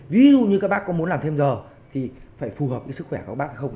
ví dụ như các bác có muốn làm thêm giờ thì phải phù hợp với sức khỏe của các bạn hay không